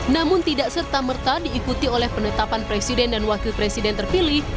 namun tidak serta merta diikuti oleh penetapan presiden dan wakil presiden terpilih